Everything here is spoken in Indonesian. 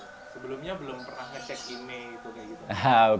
sebelumnya belum pernah ngecek email gitu